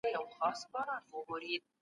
اقتصاد هم باید له نړۍ سره چټک سي.